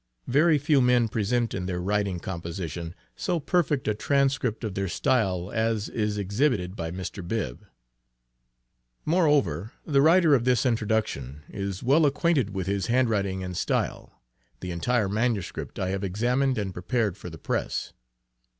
Very few men present in their written composition, so perfect a transcript of their style as is exhibited by Mr. Bibb. Moreover, the writer of this introduction is well acquainted with his handwriting and style. The entire manuscript I have examined and prepared for the press.